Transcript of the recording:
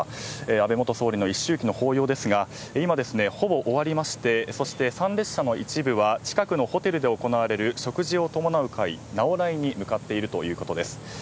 安倍元総理の一周忌の法要ですが今、ほぼ終わりまして参列者の一部は近くのホテルで行われる食事を伴う会なおらいに向かっているということです。